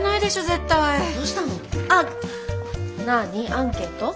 アンケート？